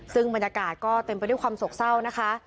ซึ่งบรรยากาศก็เต็มไปด้วยความโศกเศร้านะคะ